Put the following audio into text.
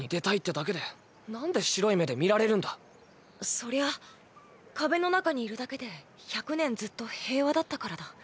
そりゃ壁の中にいるだけで１００年ずっと平和だったからだ。